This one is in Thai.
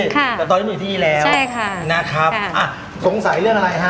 ค่ะใช่ค่ะแต่ตอนนี้หนุ่ยที่นี่แล้วนะครับอ่ะสงสัยเรื่องอะไรฮะ